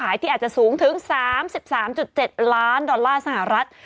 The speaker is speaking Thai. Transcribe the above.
โต๊ะขายที่อาจจะสูงถึง๓๓๗ล้านดอลลาร์สหรัฐรัฐ